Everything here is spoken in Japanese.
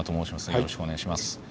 よろしくお願いします。